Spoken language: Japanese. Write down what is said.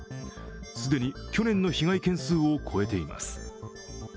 既に去年の被害件数を超えています。